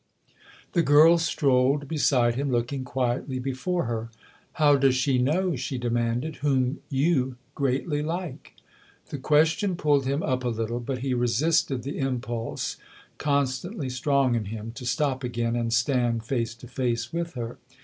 The girl strolled beside him, looking quietly before her. " How does she know," she demanded, " whom you ' greatly like '?" The question pulled him up a little, but he resisted the impulse, constantly strong in him, to stop again and stand face to face with her.